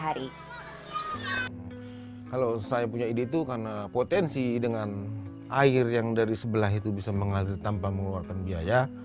kalau saya punya ide itu karena potensi dengan air yang dari sebelah itu bisa mengalir tanpa mengeluarkan biaya